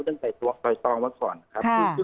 เรื่องไต่ตรองไว้ก่อนครับ